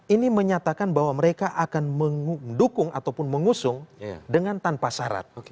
ini menyatakan bahwa mereka akan mendukung ataupun mengusung dengan tanpa syarat